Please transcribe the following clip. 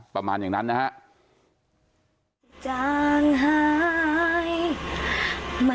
ประมาณอย่างนั้นนะฮะ